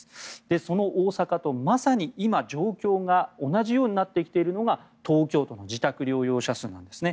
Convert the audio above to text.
その大阪とまさに今、状況が同じようになってきているのが東京都の自宅療養者数なんですね。